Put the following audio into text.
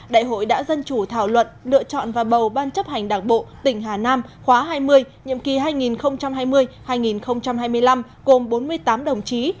đại hội đã dân chủ thảo luận lựa chọn và bầu ban chấp hành đảng bộ tỉnh hà nam khóa hai mươi nhiệm kỳ hai nghìn hai mươi hai nghìn hai mươi năm gồm bốn mươi tám đồng chí